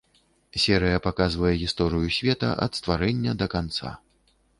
Серыя паказвае гісторыю света ад стварэння да канца.